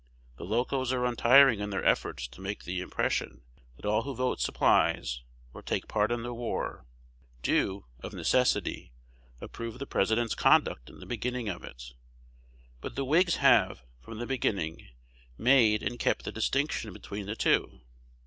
The Locos are untiring in their efforts to make the impression that all who vote supplies, or take part in the war, do, of necessity, approve the President's conduct in the beginning of it; but the Whigs have, from the beginning, made and kept the distinction between the two.